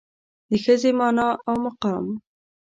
د ښځې مانا او مقام